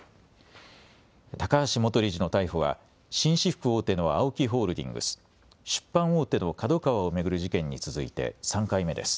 高橋元理事の逮捕は紳士服大手のＡＯＫＩホールディングス出版大手のＫＡＤＯＫＡＷＡを巡る事件に続いて３回目です。